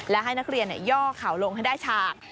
และให้นักเรียนย่อเข่าลงให้ได้ฉาก